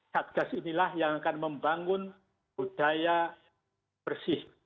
satgas inilah yang akan membangun budaya bersih